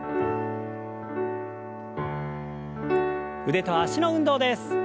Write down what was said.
腕と脚の運動です。